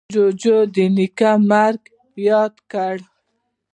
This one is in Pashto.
جوجو د نیکه مرگ ياد کړ.